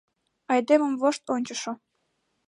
Айдемым вошт ончышо.